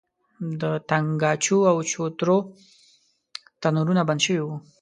د تنګاچو او چوترو تنورونه بند شوي وو.